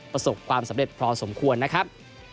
ประสบความสำเร็จพอสมควรนะครับ